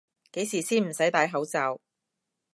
幾時先唔使戴口罩？